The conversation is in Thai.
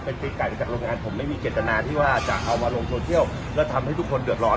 เป็นปีไก่จากโรงงานผมไม่มีเจตนาที่ว่าจะเอามาลงโซเชียลแล้วทำให้ทุกคนเดือดร้อน